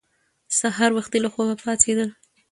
سهار وختي له خوبه پاڅېدل